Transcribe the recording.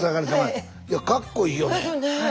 いやかっこいいよね。